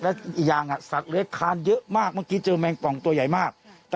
และอีกอย่างสัตว์เลื้อยคานเยอะมากเมื่อกี้เจอแมงป่องตัวใหญ่มาก